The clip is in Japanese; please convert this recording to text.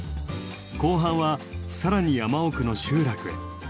後半は更に山奥の集落へ。